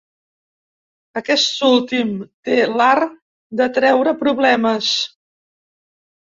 Aquest últim té l'art d'atreure problemes.